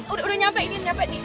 udah nyampe ini